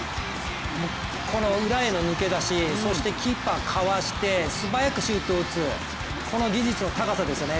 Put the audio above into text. この裏への抜けだし、そしてキーパーかわして素早くシュートを打つ、この技術の高さですよね。